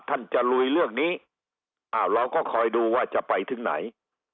ท่านจะลุยเรื่องนี้อ้าวเราก็คอยดูว่าจะไปถึงไหน